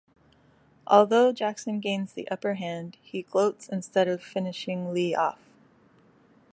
Although Jackson gains the upper hand, he gloats instead of finishing Li off.